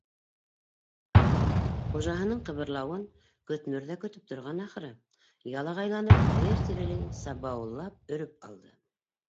- Хужаһының ҡыбырлауын Көтмөр ҙә көтөп торған, ахыры, ялағайланып, һыйыр тирәләй сабыуыллап өрөп алды.